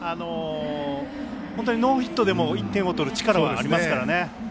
本当にノーヒットでも１点を取る力ありますからね。